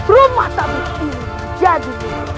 rumah tapi jadi